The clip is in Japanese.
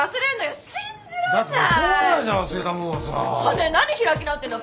ねえ何開き直ってんの？